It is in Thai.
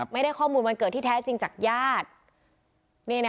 ไม่ได้ข้อมูลวันเกิดที่แท้จริงจากญาติ